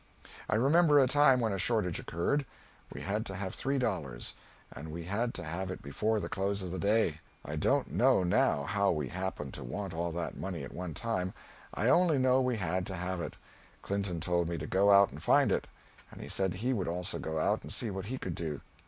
I remember a time when a shortage occurred; we had to have three dollars, and we had to have it before the close of the day. I don't know now how we happened to want all that money at one time; I only know we had to have it. Clinton told me to go out and find it and he said he would also go out and see what he could do.